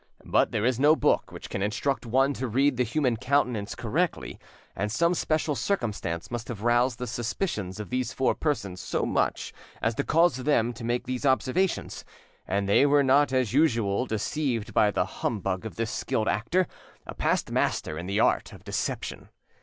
But there is no book which can instruct one to read the human countenance correctly; and some special circumstance must have roused the suspicions of these four persons so much as to cause them to make these observations, and they were not as usual deceived by the humbug of this skilled actor, a past master in the art of deception.